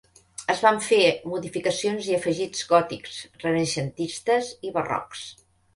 Es van fer modificacions i afegits gòtics, renaixentistes i barrocs.